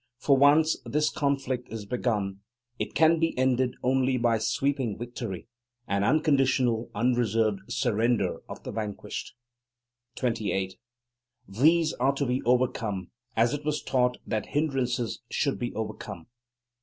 For once this conflict is begun, it can be ended only by sweeping victory, and unconditional, unreserved surrender of the vanquished. 28. These are to be overcome as it was taught that hindrances should be overcome.